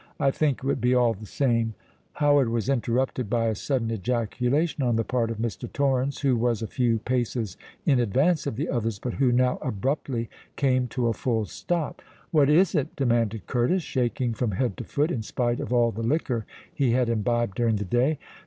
"I think it would be all the same——" Howard was interrupted by a sudden ejaculation on the part of Mr. Torrens, who was a few paces in advance of the others, but who now abruptly came to a full stop. "What is it?" demanded Curtis, shaking from head to foot, in spite of all the liquor he had imbibed during the day.